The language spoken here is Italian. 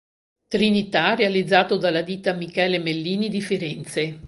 Trinità realizzato dalla ditta Michele Mellini di Firenze..